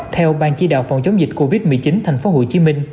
theo ban chí đạo phòng chống dịch covid một mươi chín tp hcm